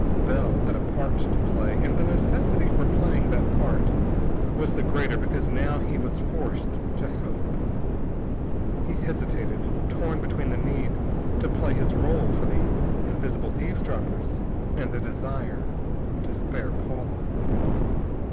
Bell had a part to play, and the necessity for playing that part was the greater because now he was forced to hope. He hesitated, torn between the need to play his rôle for the invisible eavesdroppers and the desire to spare Paula.